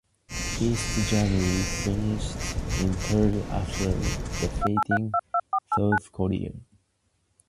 East Germany finished in third after defeating South Korea.